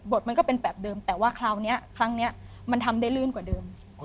มันก็เป็นแบบเดิมแต่ว่าคราวนี้ครั้งนี้มันทำได้ลื่นกว่าเดิม